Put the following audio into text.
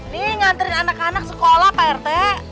nih nganterin anak anak sekolah pak rt